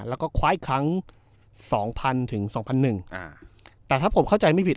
แล้วก็คว้าอีกครั้งสองพันถึงสองพันหนึ่งอ่าแต่ถ้าผมเข้าใจไม่ผิด